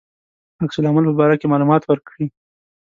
عکس العمل په باره کې معلومات ورکړي.